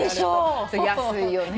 安いよね。